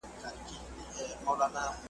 ایا دولت د زده کړو لپاره مناسبه بودیجه لري؟